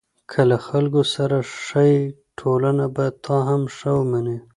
که له خلکو سره ښه یې، ټولنه به تا هم ښه ومني.